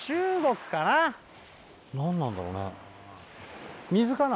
何なんだろうね水かな。